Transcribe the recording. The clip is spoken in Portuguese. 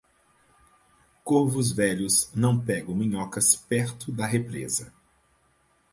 Corvos velhos não pegam minhocas perto da represa.